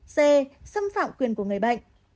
c xâm phạm quyền của người bệnh